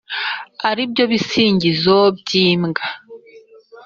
ari byo bisingizo by’imbwa